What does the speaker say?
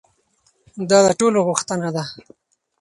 دا د ټولو غوښتنه ده.